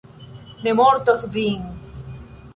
Ne mortos vi.